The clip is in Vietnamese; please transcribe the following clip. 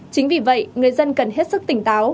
chính vì vậy người dân cần hết sức tỉnh táo